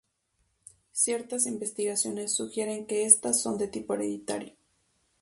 Ciertas investigaciones sugieren que estas son de tipo hereditario.